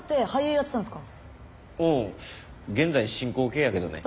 うん現在進行形やけどね。